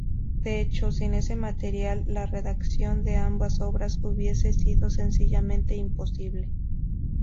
De hecho, sin ese material, la redacción de ambas obras hubiese sido sencillamente imposible.